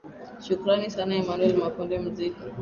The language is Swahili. shukrani sana emanuel makundi muziki